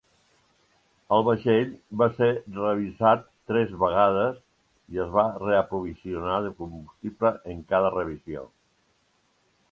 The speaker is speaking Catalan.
El vaixell va ser revisat tres vegades i es va reaprovisionar de combustible en cada revisió.